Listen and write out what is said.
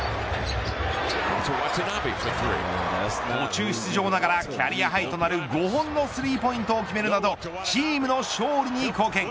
途中出場ながらキャリアハイとなる５本のスリーポイントを決めるなどチームの勝利に貢献。